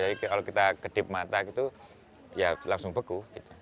jadi kalau kita kedip mata gitu ya langsung beku